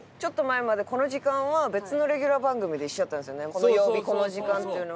この曜日この時間っていうのは。